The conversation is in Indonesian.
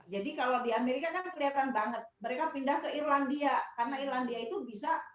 jadi kalau di amerika kan kelihatan banget mereka pindah ke irlandia karena irlandia itu bisa